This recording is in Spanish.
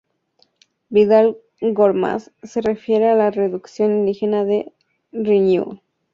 Vidal Gormaz se refiere a la reducción indígena de Riñihue.